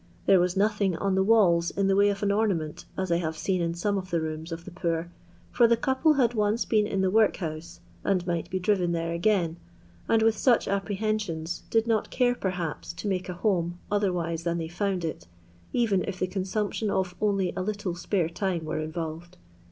There waa nothing on the walla in the way of an ornament, aa I hare aeen in aome of the rooma of the poor, for the couple had once been in the workhouse, and might be drifen there again, and with such apprehensions did not care, perhaps to make a home otherwise than they found i^ eyen if the consumption of only a little spare time were involTcd.